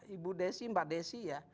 ibu desi mbak desi